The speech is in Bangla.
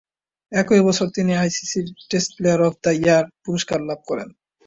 একই বছর তিনি আইসিসির test player of the year পুরস্কার লাভ করেন।